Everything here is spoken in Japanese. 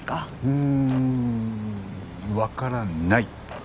うーんわからない。